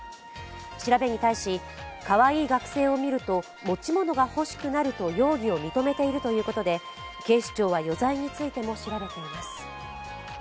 調べに対し、かわいい学生を見ると持ち物が欲しくなると容疑を認めているということで警視庁は余罪についても調べています。